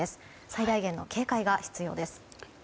最大限の警戒が必要です。